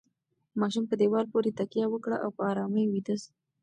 ماشوم په دیوال پورې تکیه وکړه او په ارامۍ ویده شو.